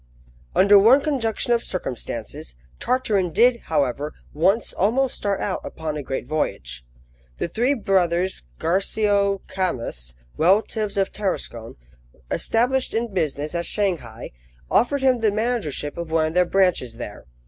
UNDER one conjunction of circumstances, Tartarin did, however, once almost start out upon a great voyage. The three brothers Garcio Camus, relatives of Tarascon, established in business at Shanghai, offered him the managership of one of their branches there.